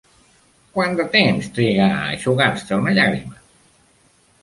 Quant de temps triga a eixugar-se una llàgrima?